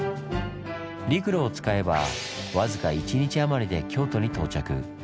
陸路を使えば僅か１日余りで京都に到着。